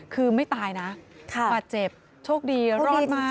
คือไม่ตายนะบาดเจ็บโชคดีรอดมา